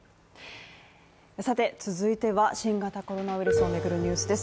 続いては、新型コロナウイルスを巡るニュースです。